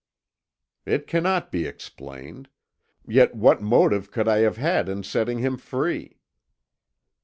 "It cannot be explained. Yet what motive could I have had in setting him free?"